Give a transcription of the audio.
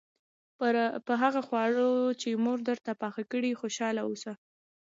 په هغه خواړو چې مور درته پاخه کړي خوشاله اوسه.